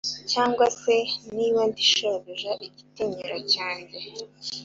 Cyangwa se niba ndi shobuja igitinyiro cyanjye